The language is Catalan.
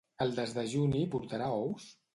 El desdejuni portarà ous?